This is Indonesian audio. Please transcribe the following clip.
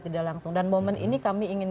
tidak langsung dan momen ini kami ingin